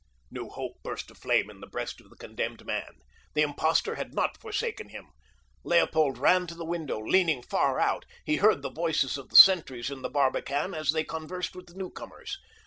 New hope burst aflame in the breast of the condemned man. The impostor had not forsaken him. Leopold ran to the window, leaning far out. He heard the voices of the sentries in the barbican as they conversed with the newcomers.